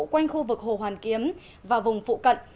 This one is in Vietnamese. quanh khu vực hồ hoàn kiếm và vùng phụ cận